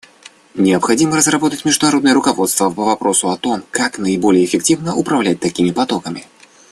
Необходимо разработать международное руководство по вопросу о том, как наиболее эффективно управлять такими потоками.